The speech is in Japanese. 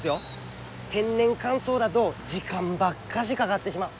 天然乾燥だど時間ばっかしかがってしまう。